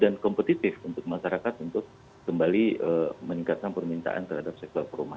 dan kompetitif untuk masyarakat untuk kembali meningkatkan permintaan terhadap sektor perumahan